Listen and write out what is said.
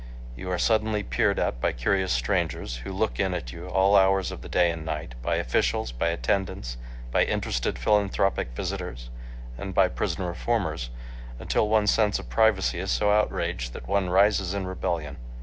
You are suddenly peered at by curious strangers, who look in at you all hours of the day and night, by officials, by attendants, by interested philanthropic visitors, and by prison reformers, until one's sense of privacy is so outraged that one rises in rebellion.